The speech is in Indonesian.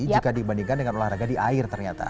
jika dibandingkan dengan olahraga di air ternyata